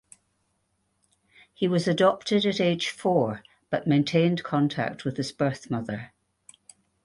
He was adopted at age four but maintained contact with his birth mother.